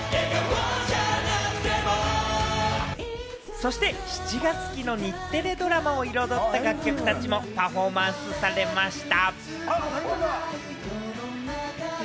そして、４月期の日テレドラマを彩った楽曲たちもパフォーマンスされました。